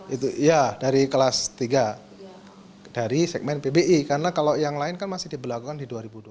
itu ya dari kelas tiga dari segmen pbi karena kalau yang lain kan masih diberlakukan di dua ribu dua puluh